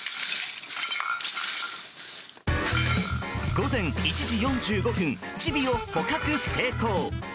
午前１時４５分チビを捕獲成功。